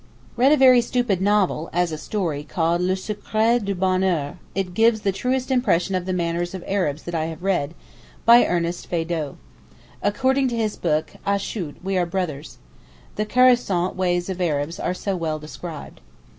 Read a very stupid novel (as a story) called 'le Secret du Bonheur'—it gives the truest impression of the manners of Arabs that I have read—by Ernest Feydeau. According to his book achouat (we are brothers). The 'caressant' ways of Arabs are so well described.